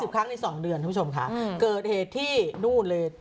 ครั้งใน๒เดือนท่านผู้ชมค่ะเกิดเหตุที่นู่นเลย